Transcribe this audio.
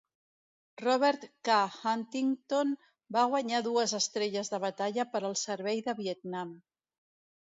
"Robert K. Huntington" va guanyar dues estrelles de batalla per al servei de Vietnam.